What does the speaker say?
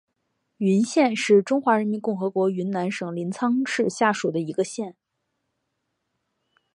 云县是中华人民共和国云南省临沧市下属的一个县。